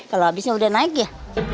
kalau habisnya udah naik ya